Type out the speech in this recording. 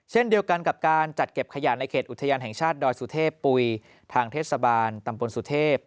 เช่นเดียวกันกับการจัดเก็บขยะในเขตอุทยานแห่งชาติดอยสุเทพปุ๋ยทางเทศบาลตำบลสุเทพ